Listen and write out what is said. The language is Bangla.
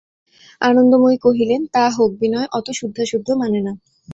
আনন্দময়ী কহিলেন, তা হোক, বিনয় অত শুদ্ধাশুদ্ধ মানে না।